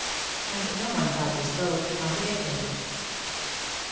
And no one felt disposed to contradict him.